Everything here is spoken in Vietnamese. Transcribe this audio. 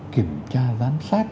kiểm tra giám sát